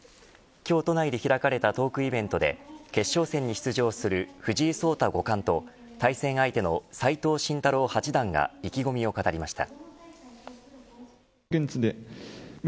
今日、都内で開かれたトークイベントで決勝戦に出場する藤井聡太五冠と対戦相手の斎藤慎太郎八段が意気込みを語りました。